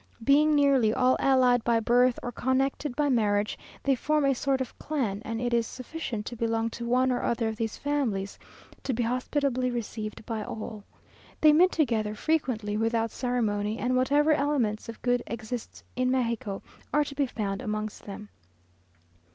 Being nearly all allied by birth, or connected by marriage, they form a sort of clan; and it is sufficient to belong to one or other of these families, to be hospitably received by all. They meet together frequently, without ceremony, and whatever elements of good exist in Mexico, are to be found amongst them.